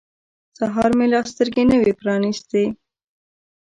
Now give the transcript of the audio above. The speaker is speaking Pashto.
سهار مې لا سترګې نه وې پرانیستې.